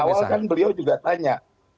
awal kan beliau juga tanya